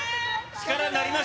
力になりました。